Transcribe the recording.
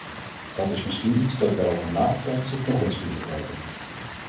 Dat is misschien iets dat wij op een later tijdstip nog eens kunnen bekijken.